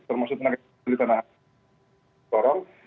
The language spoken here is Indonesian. termasuk di tanah sorong